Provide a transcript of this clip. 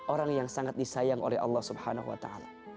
orang yang sangat disayang oleh allah subhanahu wa ta'ala